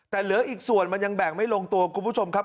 แต่เหลืออีกส่วนมันยังแบ่งไม่ลงตัวคุณผู้ชมครับ